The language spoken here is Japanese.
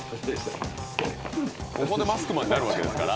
「ここでマスクマンになるわけですから」